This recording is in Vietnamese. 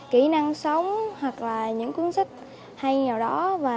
kỹ năng sống hoặc là những cuốn sách hay nghèo đó